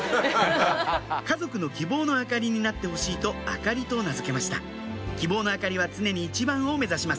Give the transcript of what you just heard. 家族の希望の明かりになってほしいと燈里と名付けました希望の明かりは常に一番を目指します